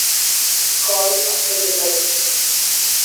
Call of the Beloved.